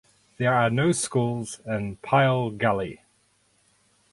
There are no schools in Pile Gully.